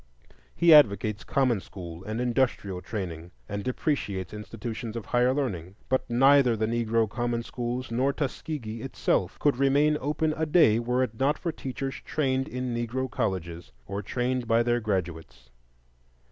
He advocates common school and industrial training, and depreciates institutions of higher learning; but neither the Negro common schools, nor Tuskegee itself, could remain open a day were it not for teachers trained in Negro colleges, or trained by their graduates.